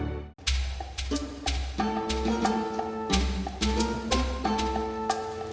kita akan berjuang